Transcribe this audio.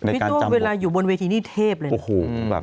พี่ตุ้มเวลาอยู่บนเวทีนี่เทพเลยนะ